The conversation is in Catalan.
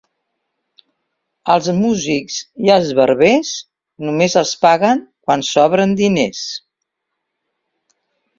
Als músics i als barbers només els paguen quan sobren diners.